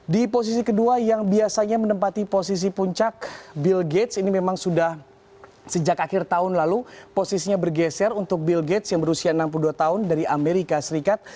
di posisi kedua yang biasanya menempati posisi puncak bill gates ini memang sudah sejak akhir tahun lalu posisinya bergeser untuk bill gates yang berusia enam puluh dua tahun dari amerika serikat